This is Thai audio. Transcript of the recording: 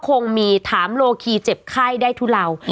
คงมีถามโลคีเจ็บไข้ได้ทุเลา